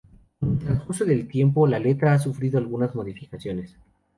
Con el transcurso del tiempo la letra ha sufrido algunas modificaciones.